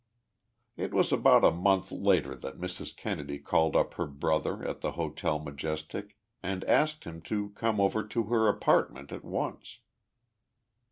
It was about a month later that Mrs. Kennedy called up her brother at the Hotel Majestic and asked him to come over to her apartment at once.